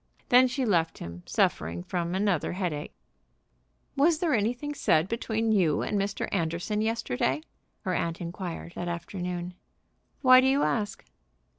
Then she left him suffering from another headache. "Was there anything said between you and Mr. Anderson yesterday?" her aunt inquired, that afternoon. "Why do you ask?"